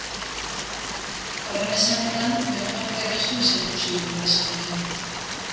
Horren esanetan, bere familiak ez du zerikusirik enpresa horrekin.